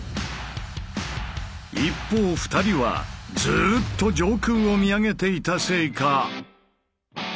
一方２人はずうっと上空を見上げていたせいか。